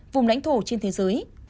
vùng lãnh thổ trên thế giới